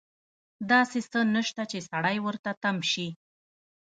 داسې څه نشته چې سړی ورته تم شي.